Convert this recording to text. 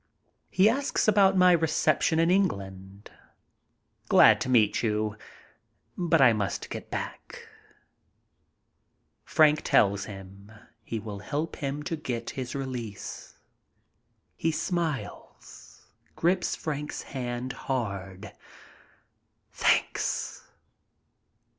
He asks about my reception in England. "Glad to meet you, but I must get back." Frank tells him he will help to get his release. He smiles, 154 MY TRIP ABROAD grips Frank's hand hard. "Thanks."